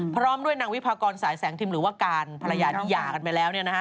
พร้อมด้วยนางวิพากรสายแสงทิมหรือว่าการภรรยาที่หย่ากันไปแล้ว